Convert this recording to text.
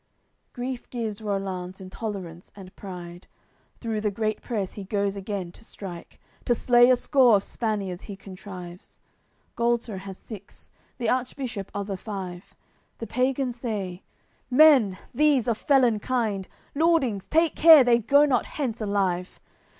AOI. CLIII Grief gives Rollanz intolerance and pride; Through the great press he goes again to strike; To slay a score of Spaniards he contrives, Gualter has six, the Archbishop other five. The pagans say: "Men, these, of felon kind! Lordings, take care they go not hence alive!